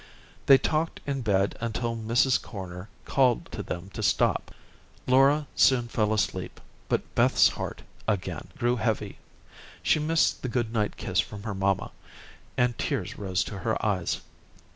They talked in bed until Mrs. Corner called to them to stop. Laura soon fell asleep, but Beth's heart, again, grew heavy. She missed the good night kiss from her mamma, and tears rose to her eyes.